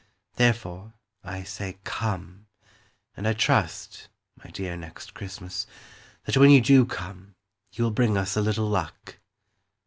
Therefore, I say "Come," And I trust, my dear Next Christmas, That when you do come You will bring us a little luck.